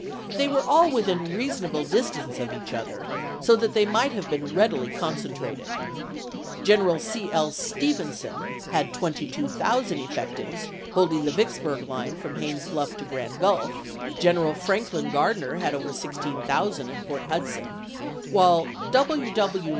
They were all within reasonable distance of each other, so that they might have been readily concentrated. Gen eral C. L. Stevenson had 22,000 effectives holding the Vicksburg line from Haines's Bluff to Grand Gulf ; General Franklin Gardner had over 16,000 at Port Hudson; while W. W.